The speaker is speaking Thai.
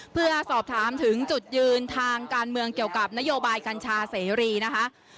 เพื่อสอบถามถึงจุดยืนทางการเมืองเกี่ยวกับนโยบายกัญชาเสรีนะคะ